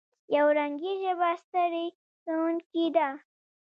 یو رنګي ژبه ستړې کوونکې ده.